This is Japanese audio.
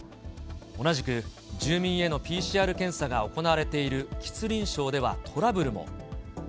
同じく、住民へのＰＣＲ検査が行われている吉林省ではトラブルも。